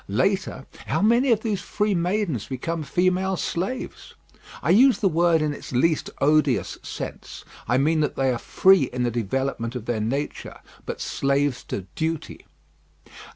Later, how many of these free maidens become female slaves? I use the word in its least odious sense; I mean that they are free in the development of their nature, but slaves to duty.